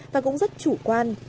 và cũng rất chủ quan